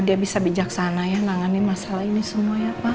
dia bisa bijaksana ya nangani masalah ini semua ya pak